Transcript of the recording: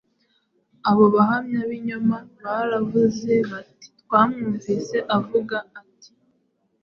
Abo bahamya b’ibinyoma baravuze bati: “Twamwumvise avuga ati, ‘